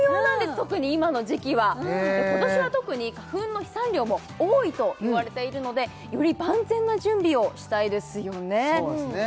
特に今の時期は今年は特に花粉の飛散量も多いといわれているのでより万全な準備をしたいですよねそうなんですね